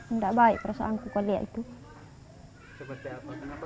tidak baik perasaanku ketika melihatnya